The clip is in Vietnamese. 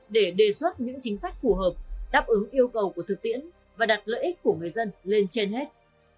để đề xuất những chính sách phù hợp đáp ứng yêu cầu của thực tiễn và đặt lợi ích của người dân lên trên hết